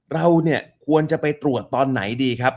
เราเนี่ยควรจะไปตรวจตอนไหนดีครับ